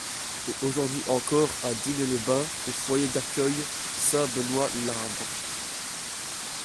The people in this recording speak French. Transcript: Et aujourd'hui encore à Digne-les-Bains au Foyer d'accueil Saint-Benoît-Labre.